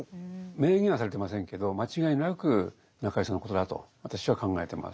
明言はされてませんけど間違いなく中井さんのことだと私は考えてます。